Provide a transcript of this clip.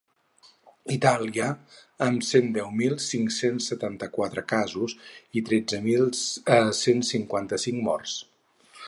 Itàlia, amb cent deu mil cinc-cents setanta-quatre casos i tretze mil cent cinquanta-cinc morts.